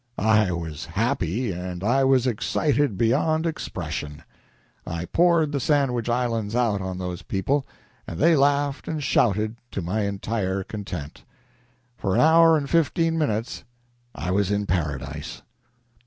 "I was happy and I was excited beyond expression. I poured the Sandwich Islands out on those people, and they laughed and shouted to my entire content. For an hour and fifteen minutes I was in paradise."